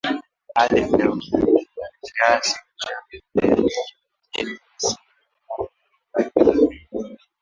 hali inayokaribia kiasi cha maneno yenye asili ya